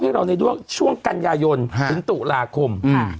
ให้เราในช่วงกันยายนถึงศูราคม